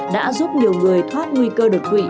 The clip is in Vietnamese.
đã giúp nhiều người thoát nguy cơ đột quỵ